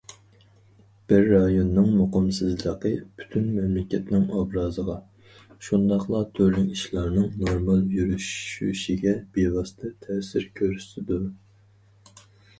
بىر رايوننىڭ مۇقىمسىزلىقى پۈتۈن مەملىكەتنىڭ ئوبرازىغا شۇنداقلا تۈرلۈك ئىشلارنىڭ نورمال يۈرۈشۈشىگە بىۋاسىتە تەسىر كۆرسىتىدۇ.